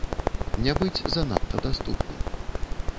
Не быць занадта даступным.